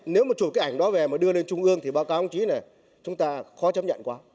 nếu mà chủ cái ảnh đó về mà đưa lên trung ương thì báo cáo ông chí là chúng ta khó chấp nhận quá